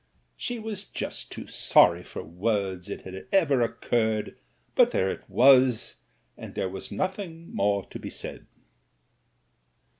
She was just too sorry for words it had ever occurred, but there it was, and there was nothing more to be said."